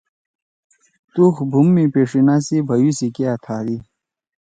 تُغ بُھوم می پیݜیِنا سی بھیؤ سی کیا تھادی۔